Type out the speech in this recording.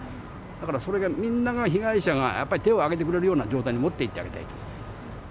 だから、それがみんなが、被害者がやっぱり手を挙げてくれるような状態に持っていきたいと。